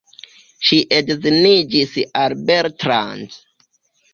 Ŝi edziniĝis al Bertrand.